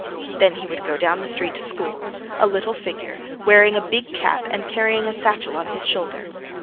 Then he would go down the street to school, a little figure, wearing a big cap and carrying a satchel on his shoulder.